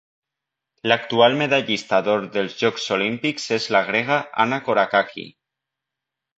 L'actual medallista d'or dels Jocs Olímpics és la grega Anna Korakaki.